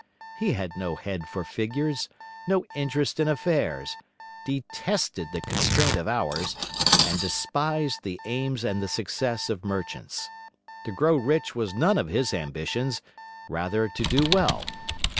He had no head for figures, no interest in affairs, detested the constraint of hours, and despised the aims and the success of merchants. To grow rich was none of his ambitions; rather to do well.